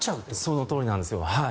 そのとおりなんですよ。